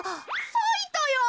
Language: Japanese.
さいたやん！